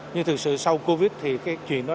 nhưng thực sự sau covid thì cái chuyện đó